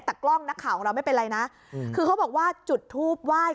แต่กล้องนักข่าวของเราไม่เป็นไรนะคือเขาบอกว่าจุดทูปไหว้